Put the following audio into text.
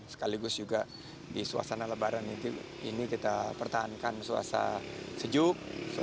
sekaligus juga di suasana lebaran ini kita pertahankan suasana sejuk